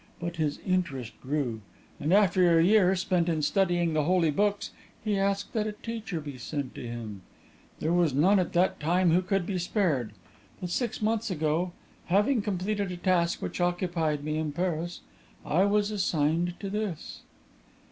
But his interest grew; and after a year spent in studying the holy books, he asked that a teacher be sent to him. There was none at that time who could be spared; but six months ago, having completed a task which had occupied me in Paris, I was assigned to this."